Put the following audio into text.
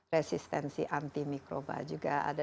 resistensi antimikroba juga ada